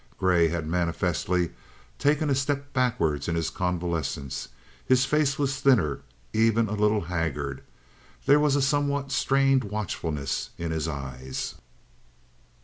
Grey had manifestly taken a step backwards in his convalescence; his face was thinner, even a little haggard; there was a somewhat strained watchfulness in his eyes.